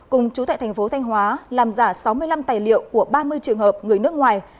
cùng chú tại thành phố thanh hóa làm giả sáu mươi năm tài liệu của ba mươi trường hợp người nước ngoài